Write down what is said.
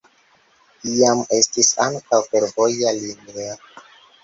Iam estis ankaŭ fervoja linio.